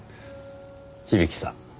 響さん。